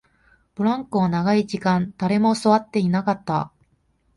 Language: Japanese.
ブランコは長い時間、誰も座っていなかった